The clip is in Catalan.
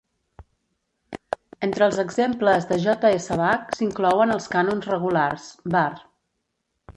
Entre els exemples de J. S. Bach s'inclouen els cànons regulars, var.